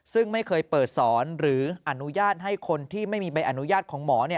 ซึ่งไม่เคยเปิดสอนหรืออนุญาตให้คนที่ไม่มีใบอนุญาตของหมอ